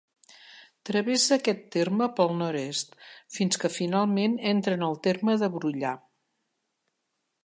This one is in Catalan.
Travessa aquest terme pel nord-est, fins que, finalment, entra en el terme de Brullà.